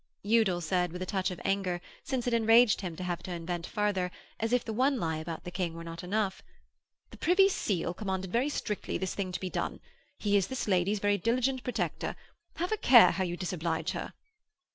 Udal said with a touch of anger, since it enraged him to have to invent further, as if the one lie about the King were not enough: 'The Lord Privy Seal commanded very strictly this thing to be done. He is this lady's very diligent protector. Have a care how you disoblige her.'